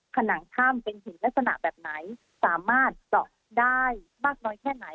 ผนังถ้ำเป็นหินลักษณะแบบไหนสามารถเจาะได้มากน้อยแค่ไหน